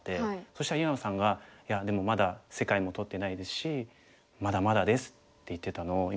そしたら井山さんが「いやでもまだ世界も取ってないですしまだまだです」って言ってたのを今すごい思い出して。